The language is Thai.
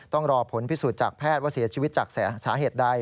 ต้องรอผลพิสูจน์จากแพทย์ว่าเสียชีวิตจากสาเหตุใด